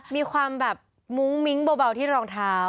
มีความแบบมุ้งมิ้งเบาที่รองเท้า